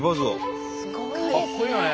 かっこいいよね。